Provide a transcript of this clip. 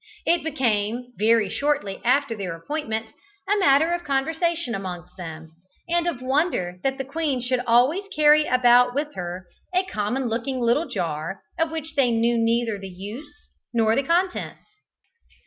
It became, very shortly after their appointment, a matter of conversation amongst them, and of wonder that the Queen should always carry about with her a common looking little jar, of which they knew neither the use nor the contents.